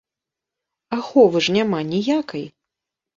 Аховы ж няма ніякай.